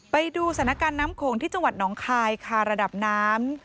ไปดูสถานการณ์น้ำโขงที่จังหวัดหนองคายค่ะระดับน้ำ